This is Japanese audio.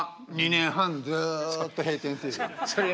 ２年半ずっと閉店セール。